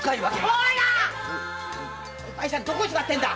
コラッ‼お前さんどこへ座ってんだ？